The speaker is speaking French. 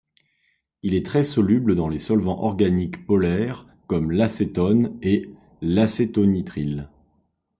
Il est très soluble dans les solvants organiques polaires comme l'acétone et l'acétonitrile.